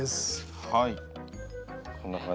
はい。